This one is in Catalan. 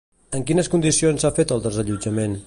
En quines condicions s'ha fet el desallotjament?